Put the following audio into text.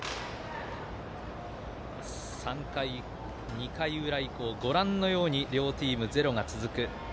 ２回の裏以降ご覧のように両チーム、ゼロが続く。